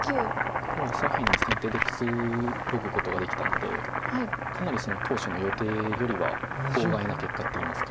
黒は左辺に先手でくつろぐことができたのでかなり当初の予定よりは法外な結果っていいますか。